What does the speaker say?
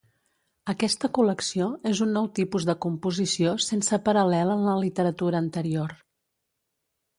Aquesta col·lecció és un nou tipus de composició sense paral·lel en la literatura anterior.